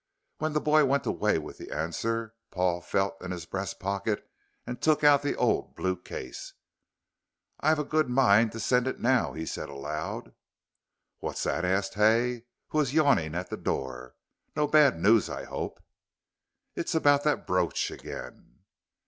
When the boy went away with the answer Paul felt in his breast pocket and took out the old blue case. "I've a good mind to send it now," he said aloud. "What's that?" asked Hay, who was yawning at the door. "No bad news I hope?" "It's about that brooch again."